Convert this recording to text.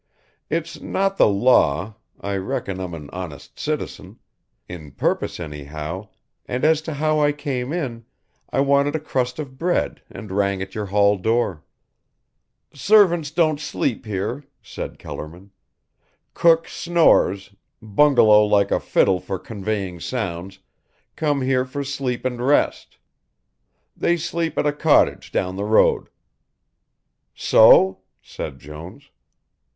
"It's not the law, I reckon I'm an honest citizen in purpose, anyhow, and as to how I came in I wanted a crust of bread and rang at your hall door." "Servants don't sleep here," said Kellerman. "Cook snores, bungalow like a fiddle for conveying sounds, come here for sleep and rest. They sleep at a cottage down the road." "So?" said Jones.